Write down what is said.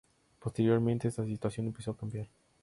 Posteriormente, esa situación empezó a cambiar.